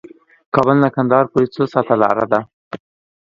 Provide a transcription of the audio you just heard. کابل نه قندهار پورې څو ساعته لار ده؟